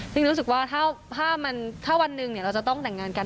รู้สึกว่าถ้าวันหนึ่งเราจะต้องแต่งงานกัน